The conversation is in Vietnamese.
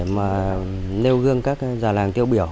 những cái hội nghị để mà nêu gương các già làng tiêu biểu